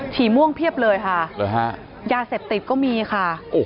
ี่ม่วงเพียบเลยค่ะยาเสพติดก็มีค่ะ